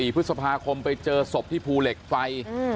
๔พฤษภาคมไปเจอศพที่ภูเหล็กไฟ